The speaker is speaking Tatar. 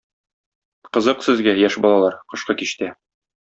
Кызык сезгә, яшь балалар, кышкы кичтә!